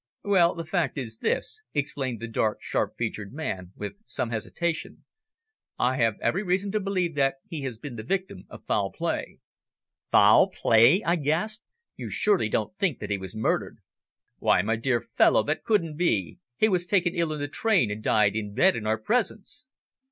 "Well, the fact is this," explained the dark, sharp featured man, with some hesitation. "I have every reason to believe that he has been the victim of foul play." "Foul play!" I gasped. "You surely don't think that he was murdered? Why, my dear fellow, that couldn't be. He was taken ill in the train, and died in bed in our presence."